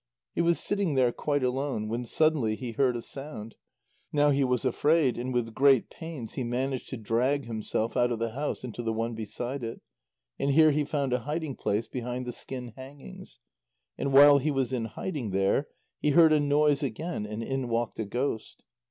He was sitting there quite alone, when suddenly he heard a sound. Now he was afraid, and with great pains he managed to drag himself out of the house into the one beside it, and here he found a hiding place behind the skin hangings. And while he was in hiding there, he heard a noise again, and in walked a ghost.